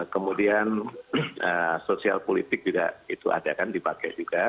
kemudian sosial politik juga itu ada kan dipakai juga